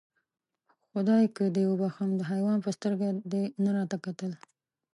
خدایکه دې وبښم، د حیوان په سترګه دې نه راته کتل.